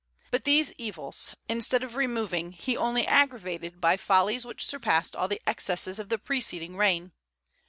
But these evils, instead of removing, he only aggravated by follies which surpassed all the excesses of the preceding reign.